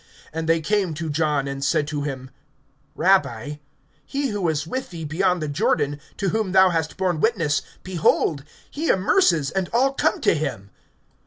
(26)And they came to John and said to him: Rabbi, he who was with thee beyond the Jordan, to whom thou hast borne witness, behold, he immerses, and all come to him.